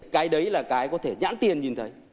cái đấy là cái có thể nhãn tiền nhìn thấy